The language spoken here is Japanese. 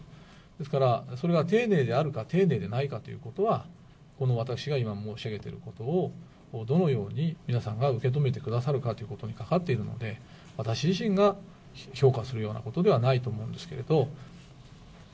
ですから、それが丁寧であるか、丁寧でないかということは、この私が今、申し上げていることを、どのように皆さんが受け止めてくださるかということにかかっているので、私自身が評価するようなことではないと思うんですけれど。